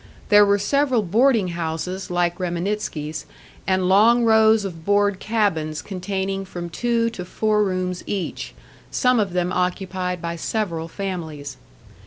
There were several boarding houses like Reminitsky's, and long rows of board cabins containing from two to four rooms each, some of them occupied by several families.